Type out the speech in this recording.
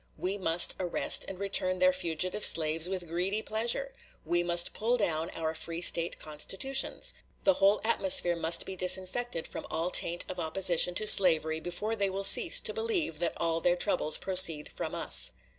We must arrest and return their fugitive slaves with greedy pleasure. We must pull down our free State constitutions. The whole atmosphere must be disinfected from all taint of opposition to slavery before they will cease to believe that all their troubles proceed from us.